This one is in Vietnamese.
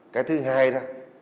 cái thứ hai đó